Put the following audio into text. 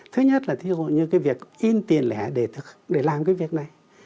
thứ nhất là cái việc in tiền lẻ để làm cái việc này